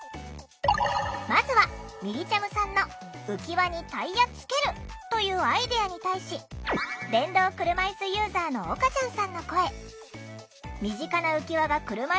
まずはみりちゃむさんの「浮き輪にタイヤつける」というアイデアに対し電動車いすユーザーのおかちゃんさんの声。